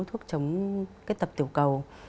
thuốc chống cái tập tiểu cầu